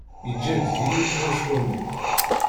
Yeǧǧa-d deg-i ala ccwami.